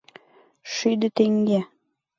Шӱдӧ теҥге!!!